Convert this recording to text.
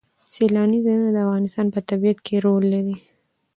سیلاني ځایونه د افغانستان په طبیعت کې رول لري.